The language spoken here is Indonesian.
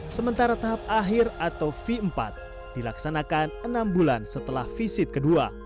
sementara tahap akhir atau v empat dilaksanakan enam bulan setelah visit kedua